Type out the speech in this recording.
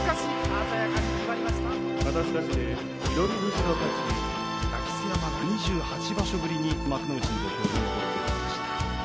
明瀬山が２８場所ぶりに幕内に戻ってきました。